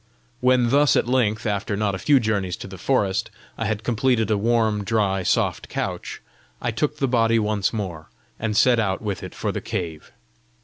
When thus at length, after not a few journeys to the forest, I had completed a warm, dry, soft couch, I took the body once more, and set out with it for the cave.